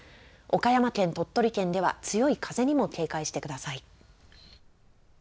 岡山県、鳥取県では、強い風にも警戒してください。